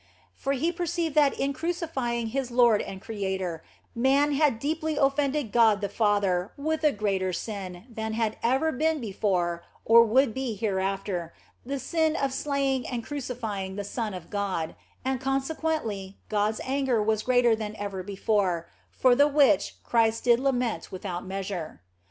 For He perceived that in crucifying his Lord and Creator, man had deeply offended God the Father with a greater sin than had ever been before or would be hereafter, the sin of slaying and crucifying the Son of God, and consequently God s anger was greater than ever before, for the which Christ did lament without measure.